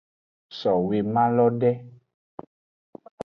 So womalo de.